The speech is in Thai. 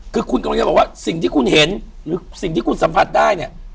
คือคุณกำลังจะบอกว่าสิ่งที่คุณเห็นหรือสิ่งที่คุณสัมผัสได้เนี่ย